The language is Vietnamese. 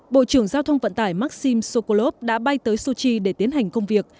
bộ trưởng giao thông vận tải maxim sokolov đã bay tới sochi để tiến hành công việc